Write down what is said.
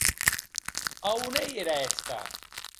E a on ei era hèsta?